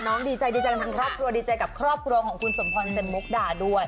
โอเคน้องดีใจดีใจทั้งครอบครัวดีใจกับครอบครัวของคุณสมพรรณเสมมุกด่าด้วย